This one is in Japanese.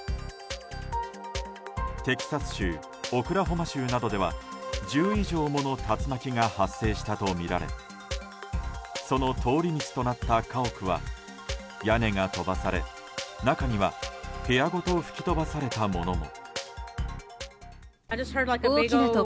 テキサス州オクラホマ州などでは１０以上もの竜巻が発生したとみられその通り道となった家屋は屋根が飛ばされ中には部屋ごと吹き飛ばされたものも。